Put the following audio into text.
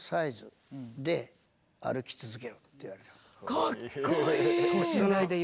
かっこいい！